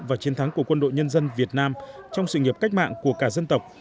và chiến thắng của quân đội nhân dân việt nam trong sự nghiệp cách mạng của cả dân tộc